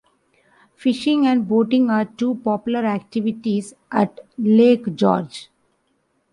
Fishing and boating are two popular activities at Lake George.